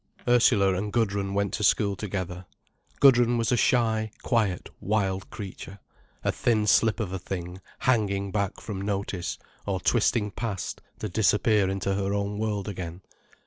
Ursula and Gudrun went to school together. Gudrun was a shy, quiet, wild creature, a thin slip of a thing hanging back from notice or twisting past to disappear into her own world again.